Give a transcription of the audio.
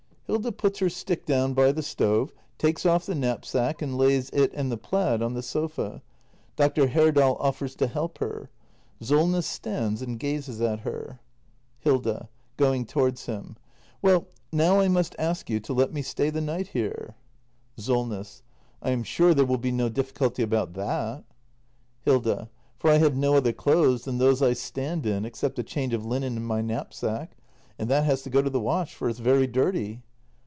[Hilda puts her stick down by the stove, takes off the knapsack and lays it and the plaid on the sofa. Dr. Herdal offers to help her. Solness stands and gazes at her. Hilda. [Going towards him.] Well, now I must ask you to let me stay the night here. act i] THE MASTER BUILDER 289 SOLNESS. I am sure there will be no difficulty about that. Hilda. For I have no other clothes than those I stand in, ex cept a change of linen in my knapsack. And that has to go to the wash, for it's very dirty.